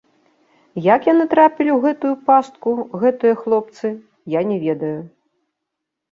Як яны трапілі ў гэтую пастку, гэтыя хлопцы, я не ведаю.